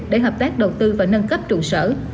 để hợp tác đầu tư và nâng cấp trụ sở